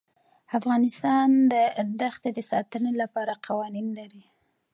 افغانستان د دښتې د ساتنې لپاره قوانین لري.